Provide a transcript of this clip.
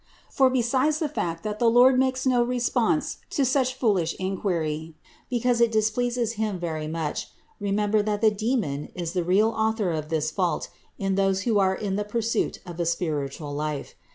For besides the fact that 444 CITY OF GOD the Lord makes no response to such foolish inquiry, because it displeases Him very much, remember that the demon is the real author of this fault in those who are in pursuit of a spiritual life.